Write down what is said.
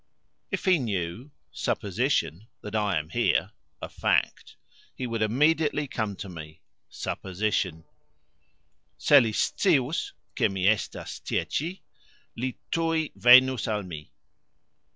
If he knew (supposition) that I am here (a fact) he would immediately come to me (supposition), "Se li scius, ke mi estas tie cxi, li tuj venus al mi".